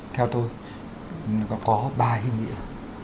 theo tôi nó có ba ý nghĩa